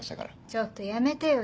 ちょっとやめてよ